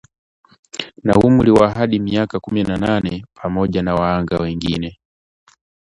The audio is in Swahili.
na umri wa hadi miaka kumi na nne pamoja na wahanga wengine